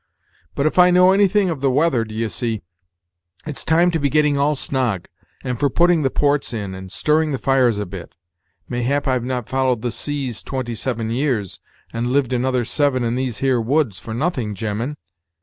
But, if I know anything of the weather, d'ye see, it's time to be getting all snog, and for putting the ports in and stirring the fires a bit. Mayhap I've not followed the seas twenty seven years, and lived another seven in these here woods, for nothing, gemmen."